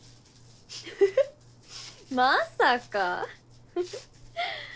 ウフフまさか。